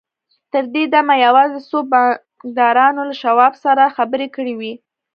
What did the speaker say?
تر دې دمه یوازې څو بانکدارانو له شواب سره خبرې کړې وې